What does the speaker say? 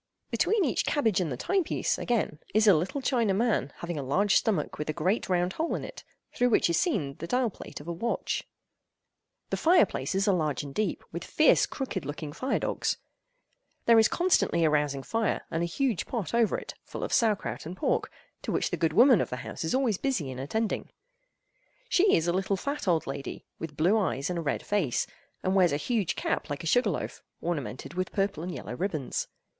Between each cabbage and the time piece, again, is a little China man having a large stomach with a great round hole in it, through which is seen the dial plate of a watch. The fireplaces are large and deep, with fierce crooked looking fire dogs. There is constantly a rousing fire, and a huge pot over it, full of sauer kraut and pork, to which the good woman of the house is always busy in attending. She is a little fat old lady, with blue eyes and a red face, and wears a huge cap like a sugar loaf, ornamented with purple and yellow ribbons.